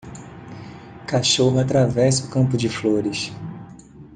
Cachorro atravessa o campo de flores